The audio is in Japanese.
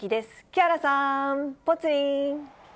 木原さん、ぽつリン。